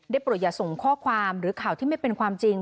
โปรดอย่าส่งข้อความหรือข่าวที่ไม่เป็นความจริง